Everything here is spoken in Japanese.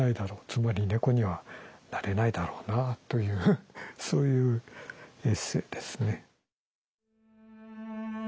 つまり猫にはなれないだろうなというそういうエッセイですね。